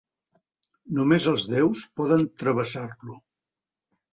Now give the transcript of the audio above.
Només els déus poden travessar-lo.